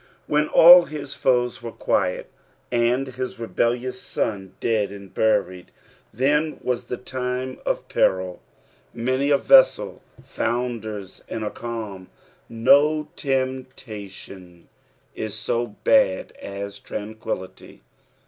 When all his foes were quiet, and his rebellious sou dead and buned, then was the time o( peril. Many a vessel founders in a calm. No temptation is so bad as tranquillity.